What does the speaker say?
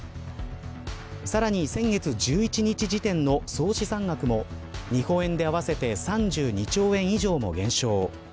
さらに先月１１日時点の総資産額も日本円で合わせて３２兆円以上も減少。